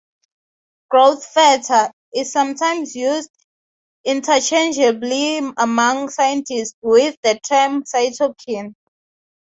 "Growth factor" is sometimes used interchangeably among scientists with the term "cytokine.